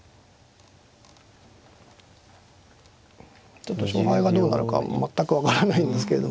ちょっと勝敗がどうなるかは全く分からないんですけれども。